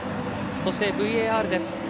そして、ＶＡＲです。